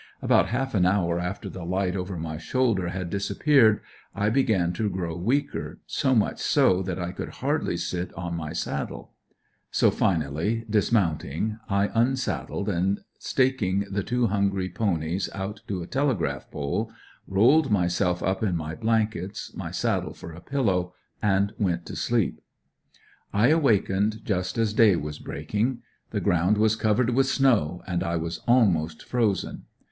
About half an hour after the light over my shoulder had disappeared I began to grow weaker, so much so that I could hardly sit on my saddle. So finally, dismounting, I unsaddled and staking the two hungry ponies out to a telegraph pole, rolled myself up in my blankets, my saddle for a pillow, and went to sleep. I awakened just as day was breaking. The ground was covered with snow, and I was almost frozen.